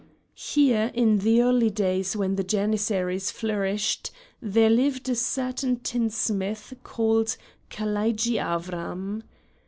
Here, in the early days when the Janissaries flourished, there lived a certain tinsmith called Kalaidji Avram.